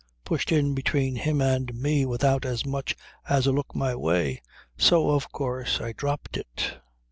Pushed in between him and me without as much as a look my way. So of course I dropped it.